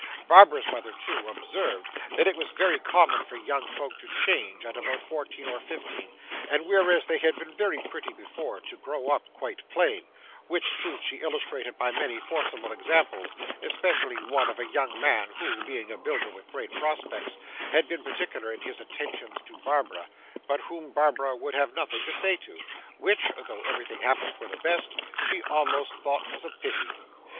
Barbara's mother too, observed that it was very common for young folks to change at about fourteen or fifteen, and whereas they had been very pretty before, to grow up quite plain; which truth she illustrated by many forcible examples, especially one of a young man, who, being a builder with great prospects, had been particular in his attentions to Barbara, but whom Barbara would have nothing to say to; which (though everything happened for the best) she almost thought was a pity.